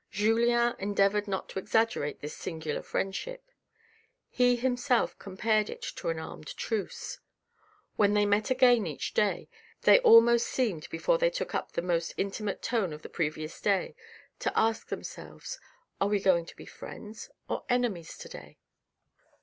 Julien endeavoured not to exaggerate this singular friend ship. He himself compared it to an armed truce. When they met again each day, they almost seemed before they took up the almost intimate tone of the previous day to ask themselves " are we going to be friends or enemies to day